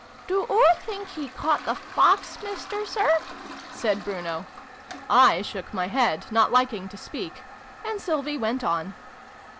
" Do oo think he caught the Fox, Mister Sir ?" said Bruno. I shook my head, not liking to speak : and Sylvie went on.